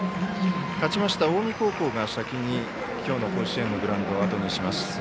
勝ちました近江高校が先にきょうの甲子園のグラウンドをあとにします。